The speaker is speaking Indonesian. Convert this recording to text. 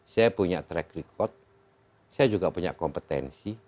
saya punya track record saya juga punya kompetensi